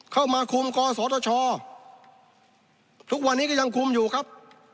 เข้ามาคุมกศธชทุกวันนี้ก็ยังคุมอยู่ครับ